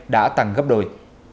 đã tăng gấp đổi